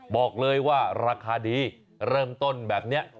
บอกเลยว่าราคาดีเริ่มต้นแบบนี้